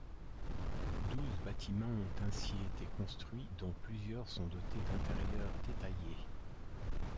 Douze bâtiments ont ainsi été construits dont plusieurs sont dotés d'intérieurs détaillés.